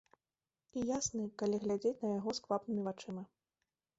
І ясны, калі глядзець на яго сквапнымі вачыма.